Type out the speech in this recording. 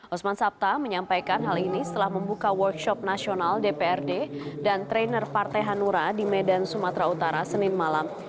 osman sabta menyampaikan hal ini setelah membuka workshop nasional dprd dan trainer partai hanura di medan sumatera utara senin malam